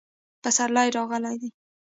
پسرلی راغلی دی